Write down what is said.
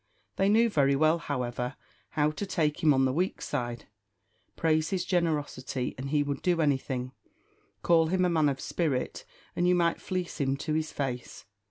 They knew very well, however, how to take him on the weak side. Praise his generosity, and he would do anything; call him a man of spirit, and you might fleece him to his face.